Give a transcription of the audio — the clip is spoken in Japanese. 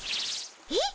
えっ？